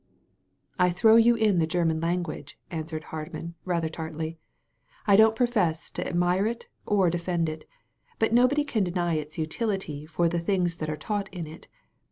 "I throw you in the German language," answered Hardman, rather tartly. "I don't profess to ad mire it or defend it. But nobody can deny its utility for the things that are taught in it.